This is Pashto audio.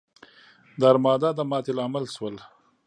د ارمادا د ماتې لامل شول.